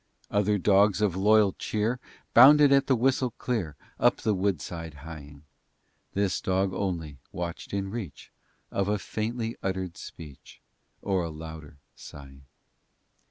X Other dogs of loyal cheer Bounded at the whistle clear, Up the woodside hieing: This dog only watched in reach Of a faintly uttered speech, Or a louder sighing.